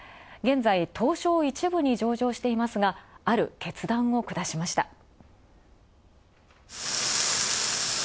現在、東京一部に上場していますが、ある決断を下しました。